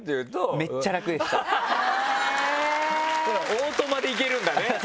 オートマでいけるんだね